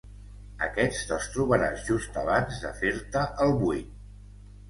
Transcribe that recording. Aquests te'ls trobaràs just abans de fer-te el buit.